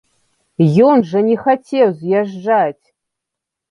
Ён жа не хацеў з'язджаць!